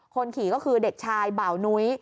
คนขี่ก็คือเด็กชายเบานุ้ย